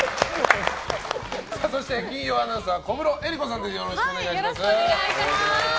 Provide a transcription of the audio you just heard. そして金曜アナウンサーは小室瑛莉子さんです。